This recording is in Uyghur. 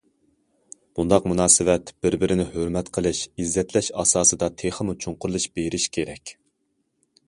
بۇنداق مۇناسىۋەت بىر- بىرىنى ھۆرمەت قىلىش، ئىززەتلەش ئاساسىدا تېخىمۇ چوڭقۇرلىشىپ بېرىشى كېرەك.